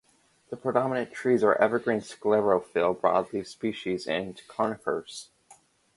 The predominant trees are evergreen sclerophyll broadleaf species and conifers.